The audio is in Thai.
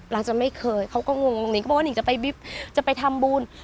จะไม่เคยเขาก็งงหิงก็บอกว่านิงจะไปบิ๊บจะไปทำบุญ